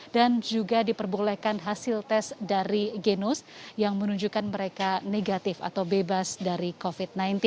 dan juga diperbolehkan hasil tes dari genus yang menunjukkan mereka negatif atau bebas dari covid sembilan belas